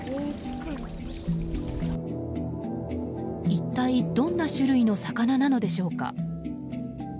一体どんな種類の魚なのでしょうか。